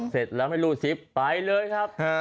เสร็จแล้วไม่รู้ซิปไปเลยครับ